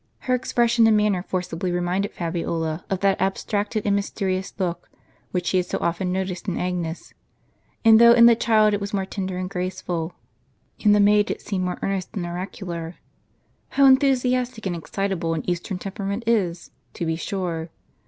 0 Her expression and manner forcibly reminded Fabiola of that abstracted and mysterious look, which she had so often noticed in Agnes; and though in the child it was more tender and graceful, in the maid it seemed more earnest and oracular. " How enthusiastic and excitable an Eastern temperament is, to be sure